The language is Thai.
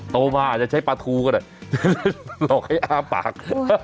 โตมาอาจจะใช้ปลาทูก็ได้หลอกให้อ้าปาก